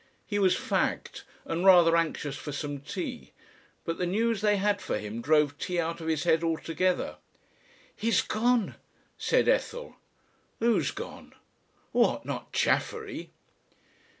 He was fagged and rather anxious for some tea, but the news they had for him drove tea out of his head altogether. "He's gone," said Ethel. "Who's gone? What! Not Chaffery?"